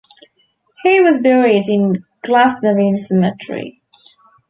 He was buried in Glasnevin Cemetery.